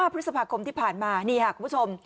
พฤษภาคมที่ผ่านมานี่ค่ะคุณผู้ชม